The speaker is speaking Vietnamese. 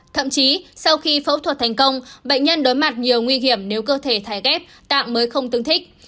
thậm chí sau khi phẫu thuật thành công bệnh nhân đối mặt nhiều nguy hiểm nếu cơ thể thái ghép tạm mới không tương thích